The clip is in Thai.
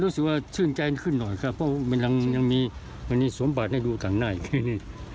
ก็รู้สึกว่าชื่นใจขึ้นหน่อยค่ะเพราะว่ามันยังมีมันมีสมบัติให้ดูต่างหน้าอีกขึ้น